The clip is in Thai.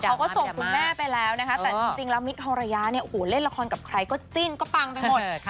เขาก็ส่งคุณแม่ไปแล้วนะคะแต่จริงแล้วมิคฮอรยาเนี่ยโอ้โหเล่นละครกับใครก็จิ้นก็ปังไปหมด